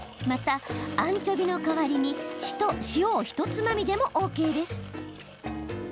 また、アンチョビの代わりに塩ひとつまみでもＯＫです。